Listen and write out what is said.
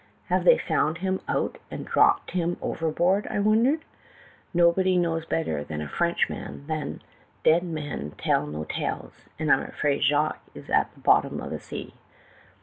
'"Have they found him out, and dropped him overboard?' I wondered. 'Nobody knows better than a Frenchman that dead men tell no tales, and I'm afraid Jacques is at the bottom of the sea.